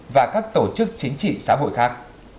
và các tổ chức chính trị xã hội khác